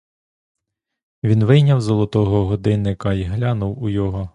Він вийняв золотого годинника й глянув у його.